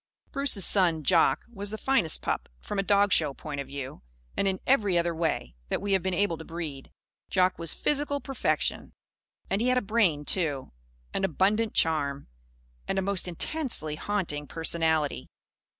Bruce's son, Jock, was the finest pup, from a dog show point of view and in every other way that we have been able to breed. Jock was physical perfection. And he had a brain, too; and abundant charm; and a most intensely haunting personality.